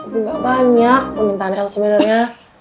bu gak banyak permintaan el sebenarnya